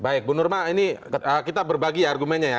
baik bu nurma ini kita berbagi ya argumennya ya